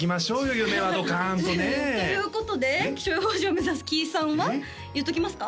夢はドカーンとねということで気象予報士を目指すキイさんは言っときますか？